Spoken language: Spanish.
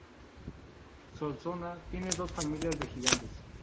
Solsona tiene dos familias de gigantes.